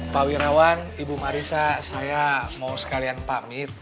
pak wirawan ibu marisa saya mau sekalian pamit